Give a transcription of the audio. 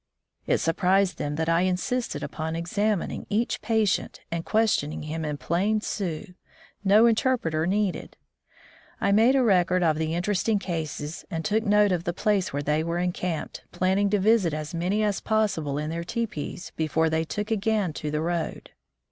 It surprised them that I insisted upon examining each patient and questioning him in plain Sioux — no interpreter needed! I made a record of the interesting cases and took note of the place where they were encamped, planning to visit as many as possible in their teepees before they took again to the road.